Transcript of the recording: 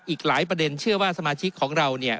อีกหลายประเด็นเชื่อว่าสมาชิกของเราเนี่ย